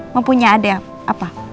mau punya adek apa